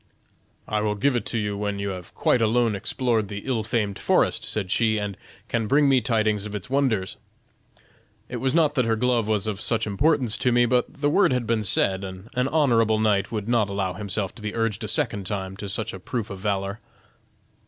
'I will give it you when you have quite alone explored the ill famed forest,' said she, 'and can bring me tidings of its wonders.' It was not that her glove was of such importance to me, but the word had been said, and an honorable knight would not allow himself to be urged a second time to such a proof of valor."